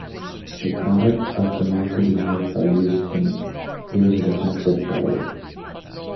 A product of the Maccabi Haifa youth team, he was a defensive player.